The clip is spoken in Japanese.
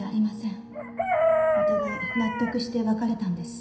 お互い納得して別れたんです。